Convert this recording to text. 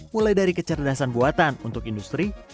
mulai dari kecerdasan buatan untuk mengembangkan keuntungan